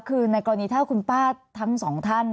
คือในกรณีถ้าคุณป้าทั้งสองท่าน